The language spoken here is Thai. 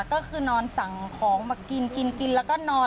ก็คือนอนสั่งของมากินกินแล้วก็นอน